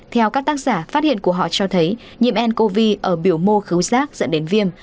theo các tác giả phát hiện của họ cho thấy nhiễm ncov ở biểu mô giác dẫn đến viêm